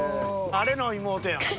あれの妹やもん。